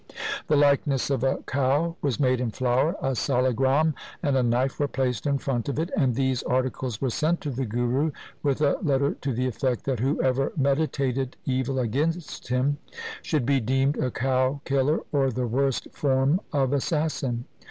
The likeness of a cow was made in flour, a salagram and a knife were placed in front of it, and these articles were sent to the Guru with a letter to the effect that whoever meditated evil against him, should be deemed a cow killer or the worst form of assassin.